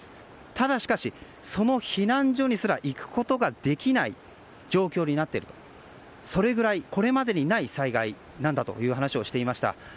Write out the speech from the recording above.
ただしかし、その避難所にすら行くことができない状況だと。それぐらいこれまでにない災害なんだという話をしていました。